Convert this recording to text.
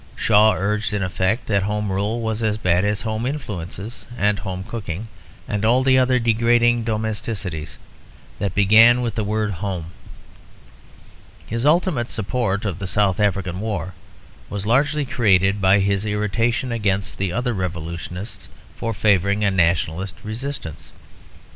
Shaw urged, in effect, that Home Rule was as bad as Home Influences and Home Cooking, and all the other degrading domesticities that began with the word "Home." His ultimate support of the South African war was largely created by his irritation against the other revolutionists for favouring a nationalist resistance.